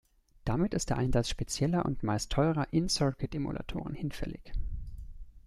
Damit ist der Einsatz spezieller und meist teurer In-Circuit-Emulatoren hinfällig.